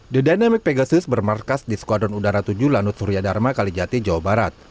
the dynamic pegasis bermarkas di skuadron udara tujuh lanut surya dharma kalijati jawa barat